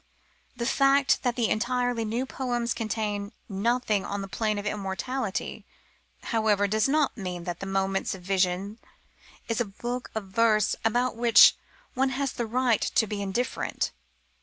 The fact that the entirely new poems contain nothing on the plane of immortality, however, does not mean that Moments of Vision is a book of verse about which one has the right to be indifferent.